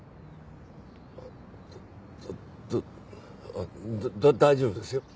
あだ大丈夫ですよ。